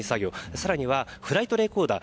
更にフライトレコーダー